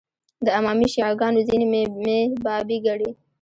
د امامي شیعه ګانو ځینې مې بابي ګڼي.